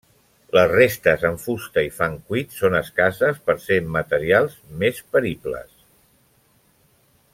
Les restes en fusta i fang cuit són escasses, per ser materials més peribles.